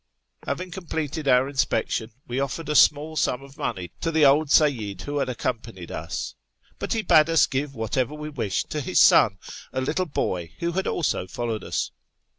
Having completed our inspection, we offered a small sum of money to the old Seyyid who had 76 ./ YEAR ylAfONGST THE PERSIANS accompanied us; 1ml he bade us give wliatever we wished to his sou, a little boy, who liad also followed us.